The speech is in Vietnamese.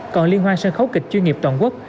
còn liên hoan sân khấu kịch chuyên nghiệp toàn quốc